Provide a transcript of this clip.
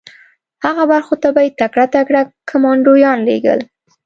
هغو برخو ته به یې تکړه تکړه کمانډویان لېږل